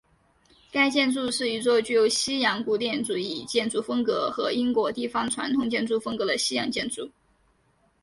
该建筑是一座具有西洋古典主义建筑风格和英国地方传统建筑风格的西洋建筑。